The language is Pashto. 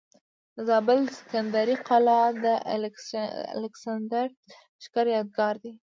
د زابل د سکندرۍ قلا د الکسندر د لښکر یادګار دی